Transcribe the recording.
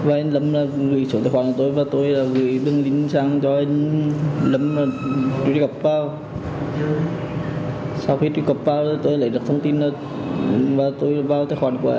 anh lâm hỏi tài khoản ngân hàng của anh lâm để nhờ chuyển tiền về